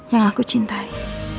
yang aku cintai